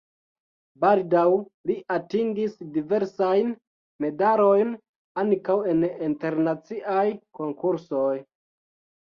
Baldaŭ li atingis diversajn medalojn ankaŭ en internaciaj konkursoj.